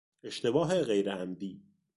اشتباه غیرعمدی